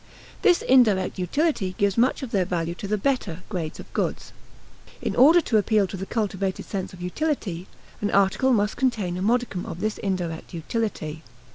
This indirect utility gives much of their value to the "better" grades of goods. In order to appeal to the cultivated sense of utility, an article must contain a modicum of this indirect utility.